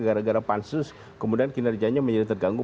gara gara pansus kemudian kinerjanya menjadi terganggu